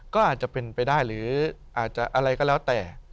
ก็อาจจะเป็นไปได้หรืออาจจะอะไรก็แล้วแต่